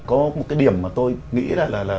có một cái điểm mà tôi nghĩ là